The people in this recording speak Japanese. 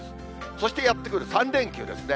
そしてやって来る３連休ですね。